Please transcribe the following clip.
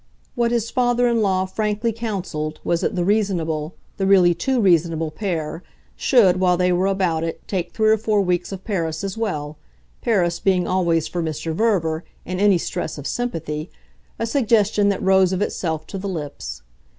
What his father in law frankly counselled was that the reasonable, the really too reasonable, pair should, while they were about it, take three or four weeks of Paris as well Paris being always, for Mr. Verver, in any stress of sympathy, a suggestion that rose of itself to the lips.